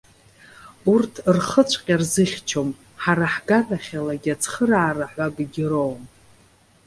Урҭ рхыҵәҟьа рзыхьчом, ҳара ҳганахьалагьы ацхырара ҳәа акгьы роуам.